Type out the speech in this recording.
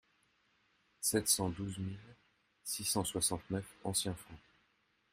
Sept cent douze mille six cent soixante-neuf anciens francs.